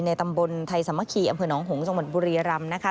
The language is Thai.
ในตำบลไทยสมัคคีอำเผินหนองหงศ์สังบันบุรีราม